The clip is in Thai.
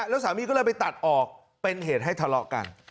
แล้วสามีก็เลยไปตัดออกเป็นเหตุให้ทะเลาะกัน